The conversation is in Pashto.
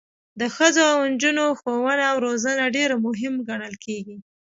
د ښځو او نجونو ښوونه او روزنه ډیره مهمه ګڼل کیږي.